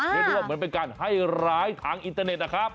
เรียกได้ว่าเหมือนเป็นการให้ร้ายทางอินเตอร์เน็ตนะครับ